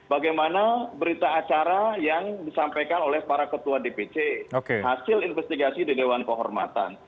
bagaimana berita acara yang disampaikan oleh para ketua dpc hasil investigasi di dewan kehormatan